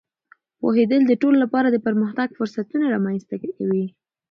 پوهېدل د ټولو لپاره د پرمختګ فرصتونه رامینځته کوي.